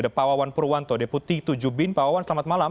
ada pawawan purwanto deputi tujubin pawawan selamat malam